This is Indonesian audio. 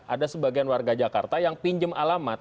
ada sebagian warga jakarta yang pinjam alamat